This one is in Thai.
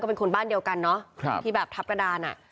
เป็นคนบ้านเดียวกันเนาะที่แบบทัพกระดานอ่ะ